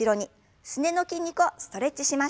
すねの筋肉をストレッチしましょう。